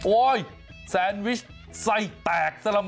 โอ้ยแซนวิชไส้แตกซะละมั้ง